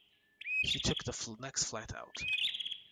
He took the next flight out.